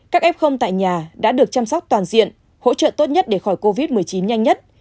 các f tại nhà đã được chăm sóc toàn diện hỗ trợ tốt nhất để khỏi covid một mươi chín nhanh nhất